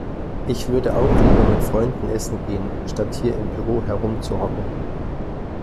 Ich würde auch lieber mit Freunden Essen gehen, statt hier im Büro herumzuhocken.